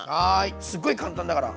すっごい簡単だから。